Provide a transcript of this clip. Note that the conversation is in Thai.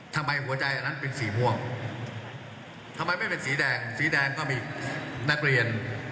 ทำไมหัวใจอันนั้นเป็นสีม่วงทำไมไม่เป็นสีแดงสีแดงก็มีนักเรียน